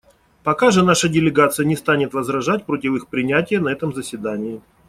Пока же наша делегация не станет возражать против их принятия на этом заседании.